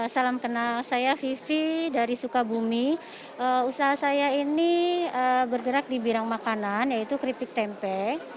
salam kenal saya vivi dari sukabumi usaha saya ini bergerak di bidang makanan yaitu keripik tempe